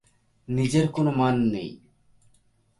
নিজের কোন মান নেই।